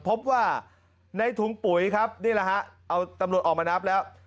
พบว่าในถุงปุ๋ยครับนี่แหละฮะเอาตำรวจออกมานับแล้ว